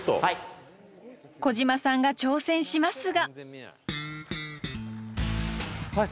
小島さんが挑戦しますが。